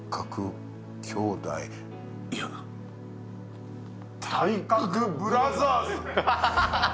いや、体格ブラザーズ！